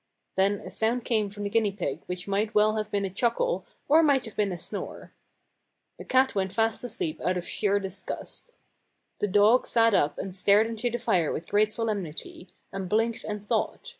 Then a sound came from the guinea pig which might well have been a chuckle or might have been a snore. The cat went fast asleep out of sheer disgust. The dog sat up and stared into the fire with great solemnity, and blinked and thought.